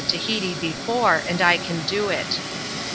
75 Tahiti before, and I can do it."